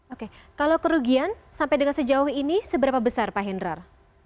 oke kalau kerugian sampai dengan sejauh ini seberapa besar pak hendrar